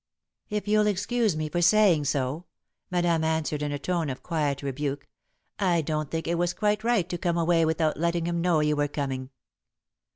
"If you'll excuse me for saying so," Madame answered, in a tone of quiet rebuke, "I don't think it was quite right to come away without letting him know you were coming."